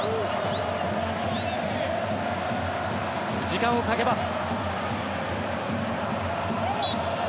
時間をかけます。